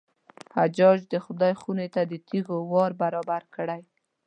حجاج د خدای خونې ته د تېږو وار برابر کړی.